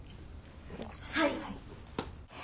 はい。